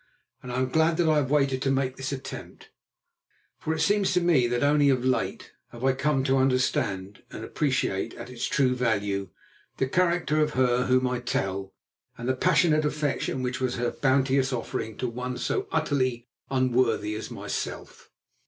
And I am glad that I have waited to make this attempt, for it seems to me that only of late have I come to understand and appreciate at its true value the character of her of whom I tell, and the passionate affection which was her bounteous offering to one so utterly unworthy as myself.